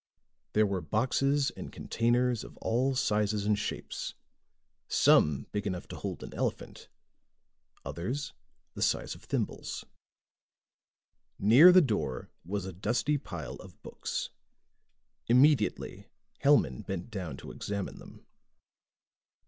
There were boxes and containers of all sizes and shapes, some big enough to hold an elephant, others the size of thimbles. Near the door was a dusty pile of books. Immediately, Hellman bent down to examine them.